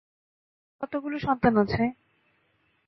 আপনার কতগুলো সন্তান আছে?